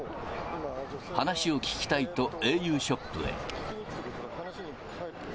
話を聞きたいとａｕショップへ。